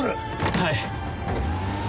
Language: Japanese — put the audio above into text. はい。